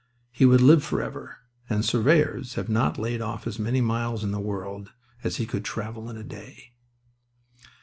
He would live forever; and surveyors have not laid off as many miles in the world as he could travel in a day.